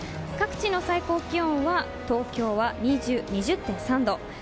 各地の最高気温は東京は２０．３度。